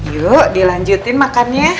yuk dilanjutin makannya